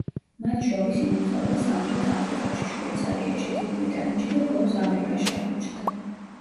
მათ შორის, იმოგზაურა სამხრეთ აფრიკაში, შვეიცარიაში, დიდ ბრიტანეთში და ბოლოს, ამერიკაში აღმოჩნდა.